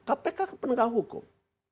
kpk penegak hukum